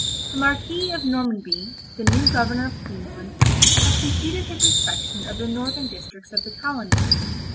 —The Marquis of Normanby, the new Governor of Queensland, has completed his inspection of the northern districts of the colony.